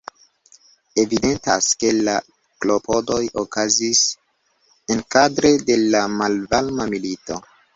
Evidentas ke la klopodoj okazis enkadre de la Malvarma Milito.